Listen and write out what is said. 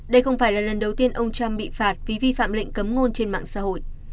đây không phải là lần đầu tiên ông trump bị phạt vì vi phạm lệnh cấm ngôn trên mạng xã hội